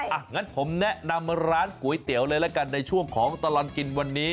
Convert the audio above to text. อ่ะงั้นผมแนะนำร้านก๋วยเตี๋ยวเลยละกันในช่วงของตลอดกินวันนี้